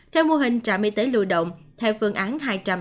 theo mô hình trạm y tế lưu động theo phương án hai trăm sáu mươi ba